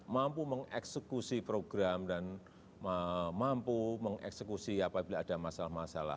mampu mengeksekusi program dan mampu mengeksekusi apabila ada masalah masalah